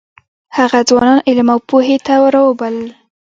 هغه ځوانان علم او پوهې ته راوبلل.